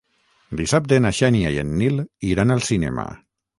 Dissabte na Xènia i en Nil iran al cinema.